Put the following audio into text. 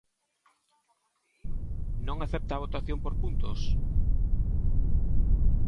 ¿Non acepta a votación por puntos?